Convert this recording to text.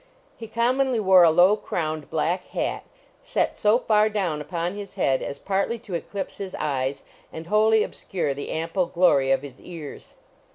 He commonly wore a low crowned black hat, set so far down upon his head as partly to eclipse his eyes and wholly obscure the ample glory of his ears.